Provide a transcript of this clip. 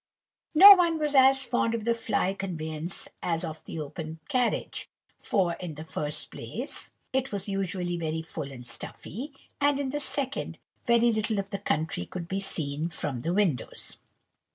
No one was as fond of the fly conveyance as of the open carriage; for, in the first place, it was usually very full and stuffy; and, in the second, very little of the country could be seen from the windows.